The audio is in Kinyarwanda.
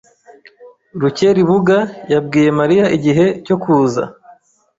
Rukeribuga yabwiye Mariya igihe cyo kuza?